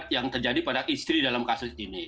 yang terjadi pada istri dalam kasus ini